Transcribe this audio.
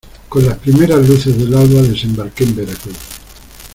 con las primeras luces del alba desembarqué en Veracruz.